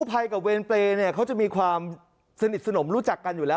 ภัยกับเวรเปรย์เนี่ยเขาจะมีความสนิทสนมรู้จักกันอยู่แล้ว